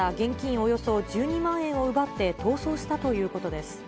およそ１２万円を奪って逃走したということです。